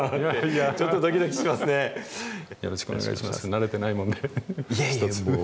慣れてないもんで。